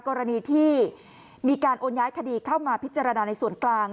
กรณีที่มีการโอนย้ายคดีเข้ามาพิจารณาในส่วนกลาง